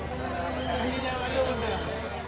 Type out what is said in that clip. kini masyarakat aceh mengenang peristiwa itu sebagai musibah besar